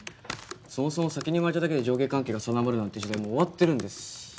そもそも先に生まれただけで上下関係が定まるなんて時代はもう終わってるんです。